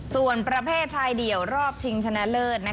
ส่วนประเภทชายเดี่ยวรอบชิงชนะเลิศ